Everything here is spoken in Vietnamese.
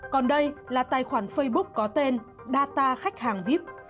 còn đây là tài khoản facebook có tên data khách hàng vip